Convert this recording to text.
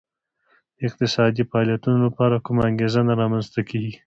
د اقتصادي فعالیتونو لپاره کومه انګېزه نه رامنځته کېږي